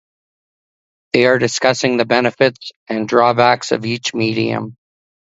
They are discussing the benefits and drawbacks of each medium.